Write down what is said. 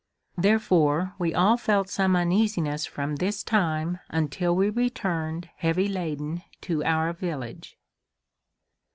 Therefore we all felt some uneasiness from this time until we returned heavy laden to our village.